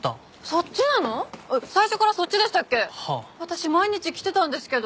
私毎日来てたんですけど。